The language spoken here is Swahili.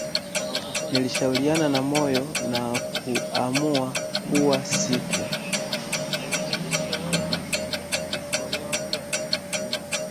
Nilishauriana na moyo na kuamua kuwa siku